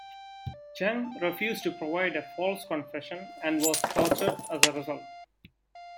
Cheng refused to provide a false confession, and was tortured as a result.